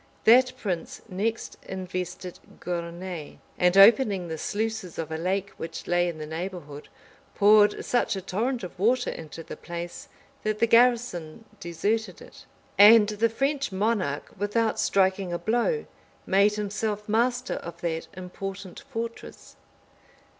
That prince next invested Gournai; and opening the sluices of a lake which lay in the neighborhood, poured such a torrent of water into the place, that the garrison deserted it, and the French monarch, without striking a blow, made himself master of that important fortress.